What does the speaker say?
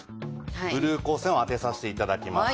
ブルー光線を当てさせて頂きます。